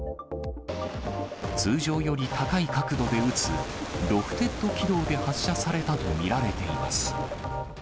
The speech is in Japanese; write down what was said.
通常より高い角度で打つロフテッド軌道で発射されたと見られています。